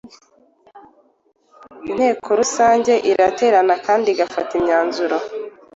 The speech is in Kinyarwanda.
Inteko Rusange iraterana kandi igafata imyanzuro